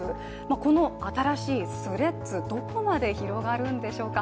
この新しいＴｈｒｅａｄｓ、どこまで広がるんでしょうか。